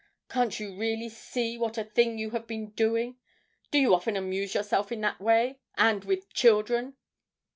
Can't you really see what a thing you have been doing? Do you often amuse yourself in that way, and with children?'